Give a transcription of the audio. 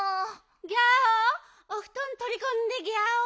・ギャオおふとんとりこんでギャオ。